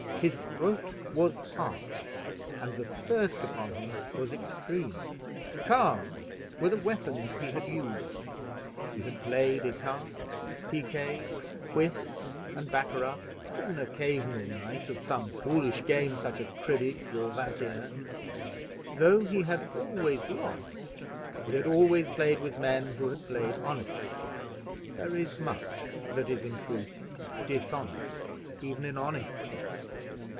His throat was parched, and the thirst upon him was extreme. Cards were the weapons he had used. He had played ecarte, piquet, whist, and baccarat, with an occasional night of some foolish game such as cribbage or vingt et un. Though he had always lost, he had always played with men who had played honestly. There is much that is, in truth, dishonest even in honest play.